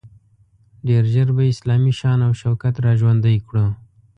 ډیر ژر به اسلامي شان او شوکت را ژوندی کړو.